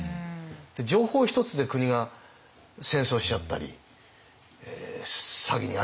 情報一つで国が戦争しちゃったり詐欺に遭っちゃったり。